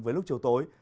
với lúc chiều tối